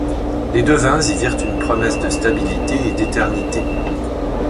Les devins y virent une promesse de stabilité et d'éternité.